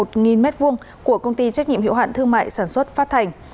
của công ty trách nhiệm hiệu hạn thương mại sản xuất phát thành